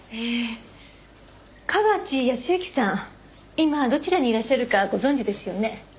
今どちらにいらっしゃるかご存じですよね？